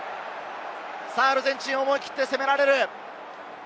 アルゼンチンを思い切って攻められる。